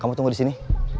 kamu tunggu di sini